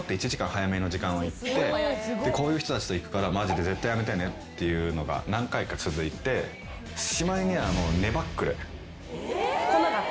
でこういう人たちと行くからマジで絶対やめてねっていうのが何回か続いてしまいには。来なかった？